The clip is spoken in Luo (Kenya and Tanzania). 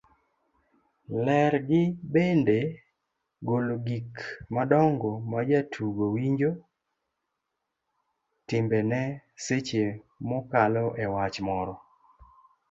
ler gi bende golo gik madongo majatugo winjo, timbene seche mokalo e wach moro